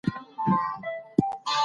د مور پاملرنه ماشوم ته امن ورکوي.